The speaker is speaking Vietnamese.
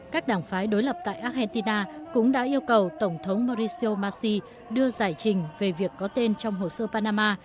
các đảng phái đối lập tại argentina cũng đã yêu cầu tổng thống mauricio masi đưa giải trình về việc có tên trong hồ sơ panama